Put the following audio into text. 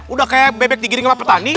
udah kayak bebek digiring sama petani